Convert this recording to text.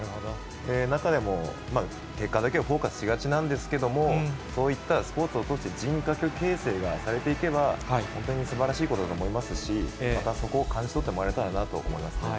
中でも、結果だけをフォーカスしがちなんですけれども、そういったスポーツを通して、人格形成がされていけば、本当にすばらしいことだと思いますし、またそこを感じ取ってもらえたらなと思いますね。